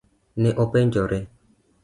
Ne openjore.